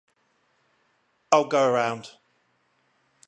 I'll go around.